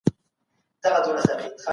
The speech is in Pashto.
اخلاق د قدرت لارښود دي.